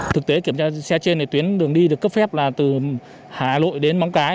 thực tế kiểm tra xe trên tuyến đường đi được cấp phép là từ hà lội đến móng cái